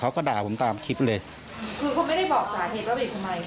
เขาก็ด่าผมตามคลิปเลยคือเขาไม่ได้บอกสาเหตุว่าเบรกทำไม